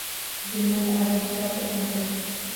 Zulmat aro kitob oʻqirdi.